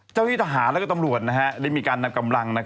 เจ้าที่ทหารและตำรวจได้มีการนำกำลัง